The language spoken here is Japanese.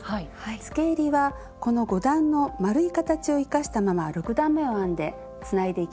つけえりはこの５段の丸い形を生かしたまま６段めを編んでつないでいきます。